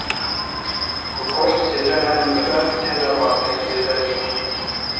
ku goşt zêde nerm bibe tê de bakterî zêde dibe